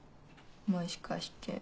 もしかして。